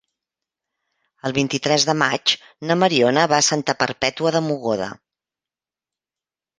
El vint-i-tres de maig na Mariona va a Santa Perpètua de Mogoda.